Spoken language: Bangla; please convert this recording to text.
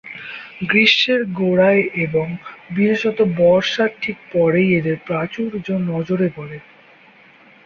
গ্রীষ্মের গোড়ায় এবং বিশেষত বর্ষার ঠিক পরেই এদের প্রাচুর্য নজরে পড়ে।